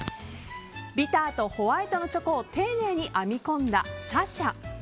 ビターとホワイトのチョコを丁寧に編み込んだ紗々。